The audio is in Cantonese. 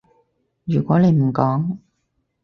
如果你唔講